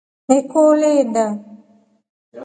Niku uli inda.